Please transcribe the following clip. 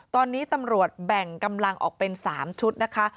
ตอนนี้ตำรวจแบ่งกำลังออกเป็น๓ชุดนะคะ